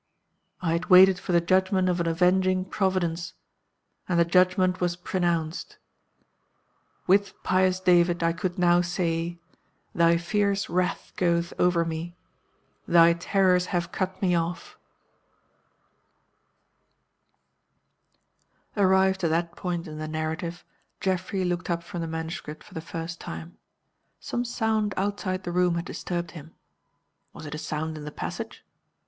I had waited for the judgment of an Avenging Providence. And the judgment was pronounced. With pious David I could now say, Thy fierce wrath goeth over me; thy terrors have cut me off." Arrived at that point in the narrative, Geoffrey looked up from the manuscript for the first time. Some sound outside the room had disturbed him. Was it a sound in the passage?